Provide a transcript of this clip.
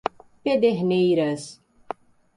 Pederneiras